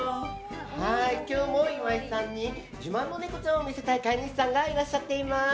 今日も岩井さんに自慢のネコちゃんを見せたい飼い主さんがいらっしゃっています。